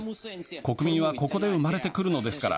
国民は、ここで産まれてくるのですから。